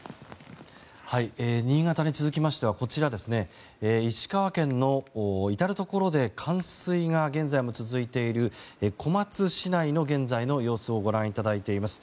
新潟に続きましては石川県の至るところで冠水が現在も続いている小松市内の現在の様子をご覧いただいています。